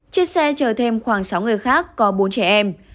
chiếc xe chờ thêm khoảng sáu người khác có bốn trẻ em